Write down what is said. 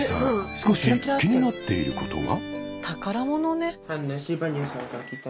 少し気になっていることが。